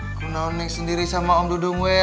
aku tau neng sendiri sama om dudung weh